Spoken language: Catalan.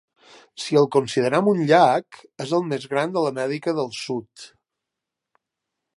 Si el considerem un llac, és el més gran de l'Amèrica del Sud.